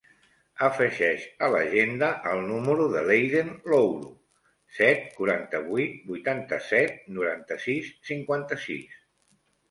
Afegeix a l'agenda el número de l'Eiden Louro: set, quaranta-vuit, vuitanta-set, noranta-sis, cinquanta-sis.